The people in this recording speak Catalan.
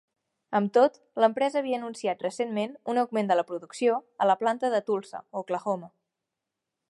Amb tot, l'empresa havia anunciat recentment un augment de la producció a la planta de Tulsa, Oklahoma.